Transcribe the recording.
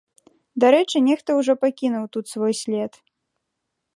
Дарэчы, нехта ўжо пакінуў тут свой след.